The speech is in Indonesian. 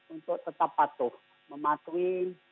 untuk tetap patuh mematuhi